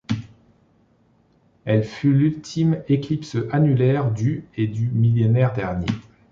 Elle fut l'ultime éclipse annulaire du et du millénaire dernier.